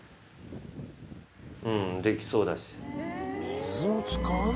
うんできそうだし。